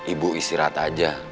ibu istirahat aja